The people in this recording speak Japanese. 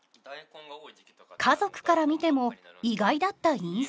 家族から見ても意外だったインスタ。